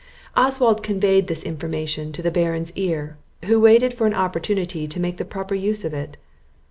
Oswald conveyed this information to the Baron's ear, who waited for an opportunity to make the proper use of it.